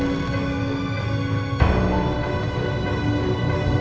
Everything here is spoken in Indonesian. ya kita berhasil